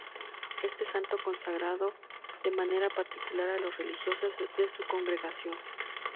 Este santo consagró de manera particular a los religiosos de su congregación.